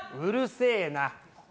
うるせえな！